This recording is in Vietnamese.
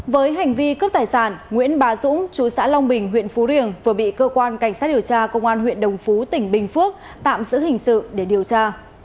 với hành vi cướp tài sản nguyễn bà dũng chú xã long bình huyện phú riềng vừa bị cơ quan cảnh sát điều tra công an huyện đồng phú tỉnh bình phước tạm giữ hình sự để điều tra